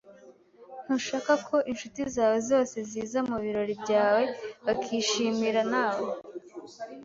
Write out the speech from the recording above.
Ntushaka ko inshuti zawe zose ziza mubirori byawe bakishimira nawe?